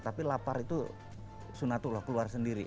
tapi lapar itu sunatullah keluar sendiri